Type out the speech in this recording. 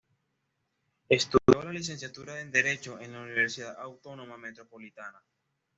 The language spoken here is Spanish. Estudió la Licenciatura en Derecho en la Universidad Autónoma Metropolitana.